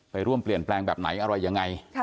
ไปร่วมเปลี่ยนแปลงแบบไหนอะไรยังไง